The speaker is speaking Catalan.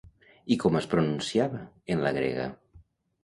I com es pronunciava en la grega?